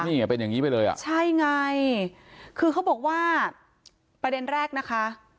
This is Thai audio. นี่เป็นอย่างนี้ไปเลยอ่ะใช่ไงคือเขาบอกว่าประเด็นแรกนะคะ